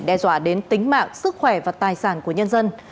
đe dọa đến tính mạng sức khỏe và tài sản của nhân dân